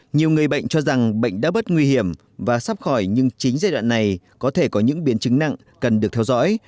nhiều người bệnh cho rằng bệnh đã bất nguy hiểm và sắp khỏi nhưng chính giai đoạn này có thể có những biến chứng nặng cần được theo dõi